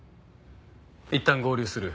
いったん合流する。